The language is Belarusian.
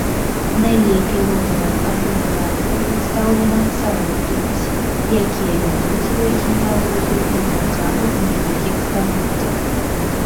Найлепей родавая арганізацыя прадстаўлена сярод тутсі, якія вядуць сваю генеалогію на працягу некалькіх стагоддзяў.